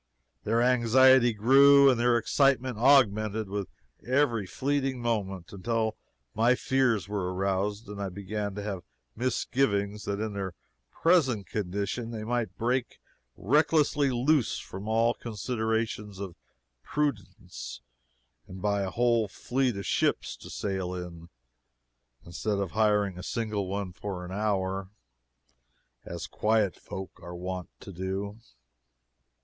Their anxiety grew and their excitement augmented with every fleeting moment, until my fears were aroused and I began to have misgivings that in their present condition they might break recklessly loose from all considerations of prudence and buy a whole fleet of ships to sail in instead of hiring a single one for an hour, as quiet folk are wont to do.